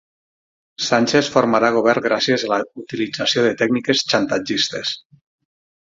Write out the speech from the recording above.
Sánchez formarà govern gràcies a la utilització de tècniques xantatgistes